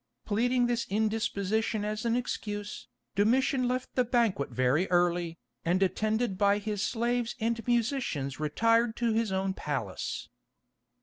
Pleading this indisposition as an excuse, Domitian left the banquet very early, and attended by his slaves and musicians retired to his own palace.